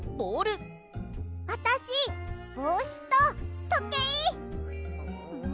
あたしぼうしととけい！